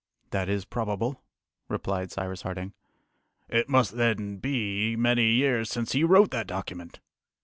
"That is probable," replied Cyrus Harding. "It must then be many years since he wrote that document!"